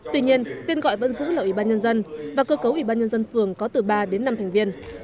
tuy nhiên tên gọi vẫn giữ là ủy ban nhân dân và cơ cấu ủy ban nhân dân phường có từ ba đến năm thành viên